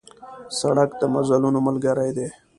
سړک د مزلونو ملګری دی.